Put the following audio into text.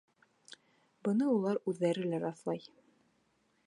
Быны улар үҙҙәре лә раҫлай.